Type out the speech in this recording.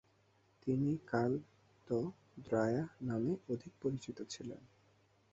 তিনি কাল ত. দ্রায়া নামে অধিক পরিচিত ছিলেন।